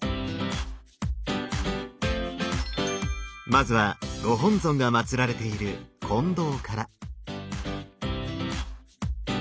まずはご本尊がまつられている金堂から。